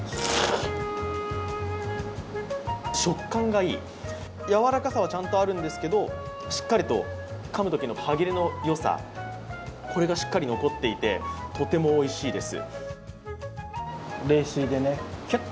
食感がいい、やわらかさはちゃんとあるんですけれどもしっかりとかむときの歯切れのよさ、これがしっかり残っていてとてもおいしいです。